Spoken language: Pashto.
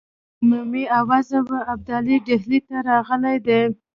عمومي آوازه وه ابدالي ډهلي ته راغلی دی.